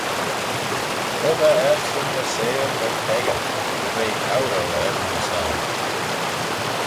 Hug eh ersyn va seyr veih peccah, dy ve oural er nyn son.